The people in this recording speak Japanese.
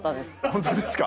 本当ですか？